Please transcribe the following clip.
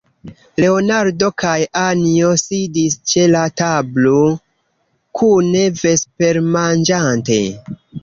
Leonardo kaj Anjo sidis ĉe la tablo, kune vespermanĝante.